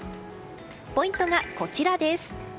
ポイントがこちらです。